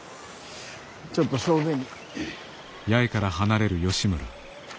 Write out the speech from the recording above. ちょっと小便に。